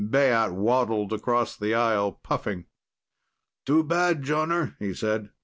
Baat waddled across the aisle, puffing. "Too bad, Jonner," he said.